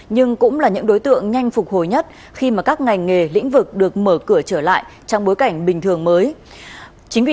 nhưng cũng là những đối tượng nhanh phục hồi nhất khi mà các ngành nghề lĩnh vực được mở cửa trở lại trong bối cảnh bình thường mới